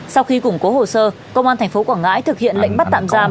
sau khi củng cố hồ sơ công an tp quảng ngãi thực hiện lệnh bắt tạm giam